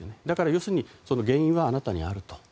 だから要するに原因はあなたにあると。